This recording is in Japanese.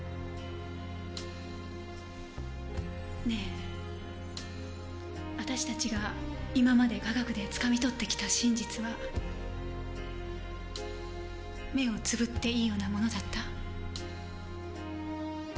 ねえ私たちが今まで科学でつかみ取ってきた真実は目をつぶっていいようなものだった？